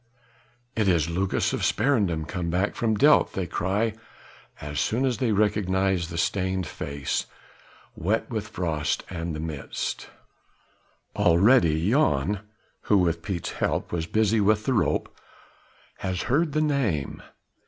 "It is Lucas of Sparendam come back from Delft," they cry as soon as they recognize the stained face, wet with the frost and the mist. Already Jan who with Piet's help was busy with the rope has heard the name.